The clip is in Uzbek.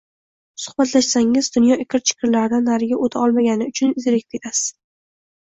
suhbatlashsangiz dunyo ikir-chikirlaridan nariga o‘ta olmagani uchun zerikib ketasiz.